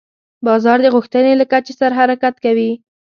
بازار د غوښتنې له کچې سره حرکت کوي.